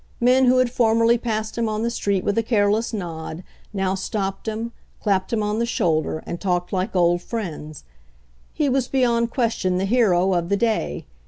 Men who had formerly passed him on the street with a careless nod, now stopped him, clapped him on the shoulder and talked like old friends. He was beyond question the hero of the day.